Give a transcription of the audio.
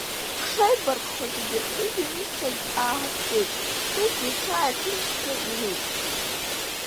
Ҳшеибарххоз егьырҭ Тыжә иҩызцәагьы ааҳахьӡеит, Тыжәгьы иҽааирҭынчшәа иуит.